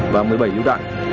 và một mươi bảy lưu đạn